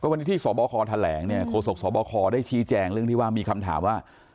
วันนี้ที่ส่อบอคอแถลงโฆษกส่อบอคอได้ชี้แจงเรื่องที่ว่ามีคำถามว่า